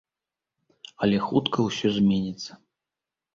Але хутка ўсё зменіцца.